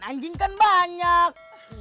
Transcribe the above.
anjing kan banyak